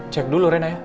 cek dulu rena ya